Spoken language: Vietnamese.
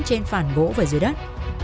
trên phàn gỗ và dưới đất